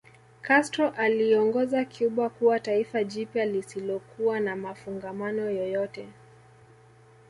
Castro aliiongoza Cuba kuwa taifa jipya lisilokuwa na mafungamano yoyote